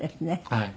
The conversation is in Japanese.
はい。